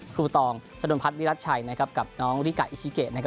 ครูตองสะดนพัดวิรัตชัยกับน้องริกะอิชิเก